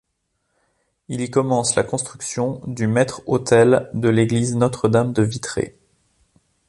Il y commence la construction du maître-autel de l'Église Notre-Dame de Vitré.